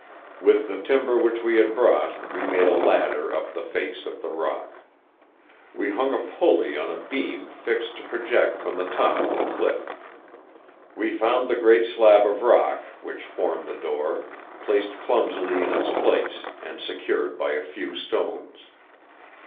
With the timber which we had brought, we made a ladder up the face of the rock. We hung a pulley on a beam fixed to project from the top of the cliff. We found the great slab of rock, which formed the door, placed clumsily in its place and secured by a few stones.